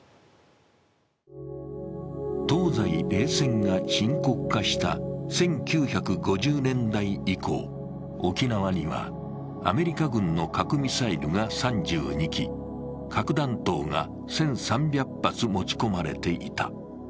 東西冷戦が深刻化した１９５０年代以降、沖縄にはアメリカ軍の核ミサイルが３２基核弾頭が１３００発持ち込まれていた。